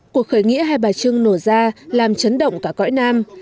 cuộc khởi nghĩa hai bà trưng nổ ra làm chấn động cả cõi nam